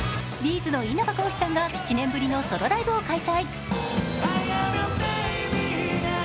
’ｚの稲葉浩志さんが７年ぶりのソロライブを開催。